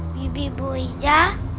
bibik bu ija